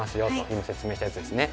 今説明したやつですね。